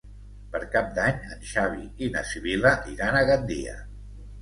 Per Cap d'Any en Xavi i na Sibil·la iran a Gandia.